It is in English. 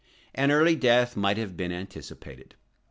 An early death might have been anticipated.